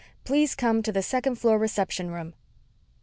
Please come to the second floor reception room."